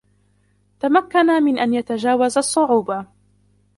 تمكن من أن يتجاوز الصعوبة.